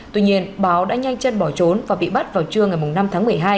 tuy nhiên báo đã nhanh chân bỏ trốn và bị bắt vào trưa ngày năm tháng một mươi hai